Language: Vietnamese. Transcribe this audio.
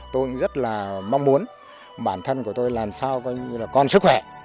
tôi rất là mong muốn bản thân của tôi làm sao con sức khỏe